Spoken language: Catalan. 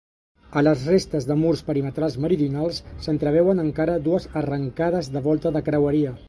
A les restes de murs perimetrals meridionals s'entreveuen encara dues arrencades de volta de creueria.